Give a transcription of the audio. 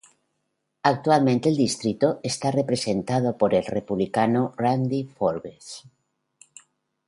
Actualmente el distrito está representado por el Republicano Randy Forbes.